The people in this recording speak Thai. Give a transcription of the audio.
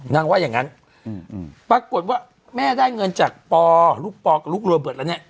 นางว่ายังงั้นอืมอืมปรากฏว่าแม่ได้เงินจากปอลูกปอลูกรัวเบิดแล้วเนี่ย